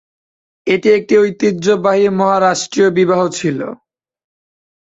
এটি একটি ঐতিহ্যবাহী মহারাষ্ট্রীয় বিবাহ ছিল।